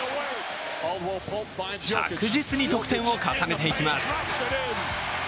着実に得点を重ねていきます。